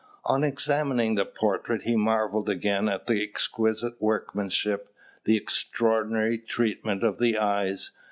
On examining the portrait, he marvelled again at the exquisite workmanship, the extraordinary treatment of the eyes.